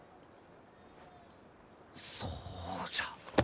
そうじゃ。